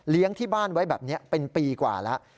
ที่บ้านไว้แบบนี้เป็นปีกว่าแล้ว